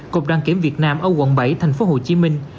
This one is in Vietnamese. cục đăng kiểm việt nam ở quận bảy thành phố hồ chí minh